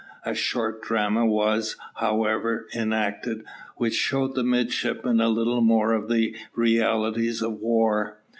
A short drama was, however, enacted, which showed the midshipmen a little more of the realities of war.